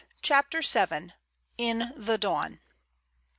CHAPTER VII. IN THE DAWN.